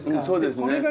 そうですね。